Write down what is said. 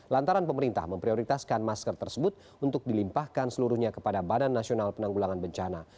lantaran pemerintah memprioritaskan masker tersebut untuk dilimpahkan seluruhnya kepada badan nasional penanggulangan bencana